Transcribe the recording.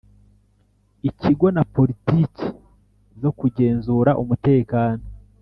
Ikigo na politiki zo kugenzura umutekano.